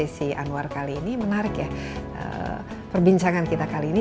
desi anwar kali ini menarik ya perbincangan kita kali ini